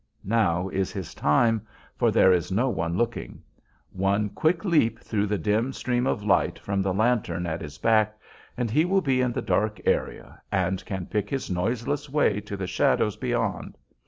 Now is his time, for there is no one looking. One quick leap through the dim stream of light from the lantern at his back and he will be in the dark area, and can pick his noiseless way to the shadows beyond.